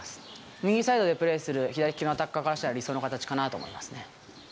右サイドでプレーする左利きのアタッカーからしたら、理想の形かなと思いますね。